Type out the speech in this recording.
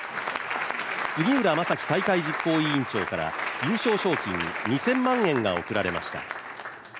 杉浦正樹大会実行委員長から優勝賞金２０００万円が贈られました。